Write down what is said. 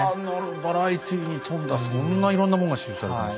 バラエティーに富んだそんないろんなもんが刺しゅうされてる。